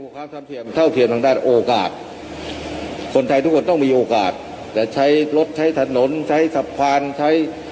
เคลื่อนเหล้า